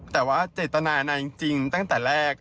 แต่ว่าเจตนานางจริงตั้งแต่แรก